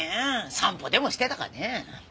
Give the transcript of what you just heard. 散歩でもしてたかね。